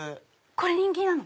これ人気なの？